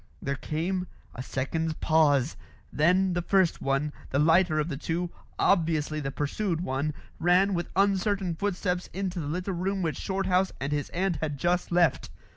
There came a second's pause. Then the first one, the lighter of the two, obviously the pursued one, ran with uncertain footsteps into the little room which Shorthouse and his aunt had just left.